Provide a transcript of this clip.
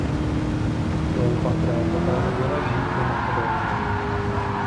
Kleopatra poté odjela žít do Makedonie.